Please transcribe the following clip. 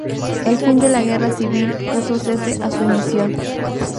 El fin de la guerra civil puso cese a su emisión.